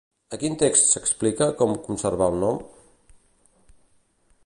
A quin text s'explica com conservar el nom?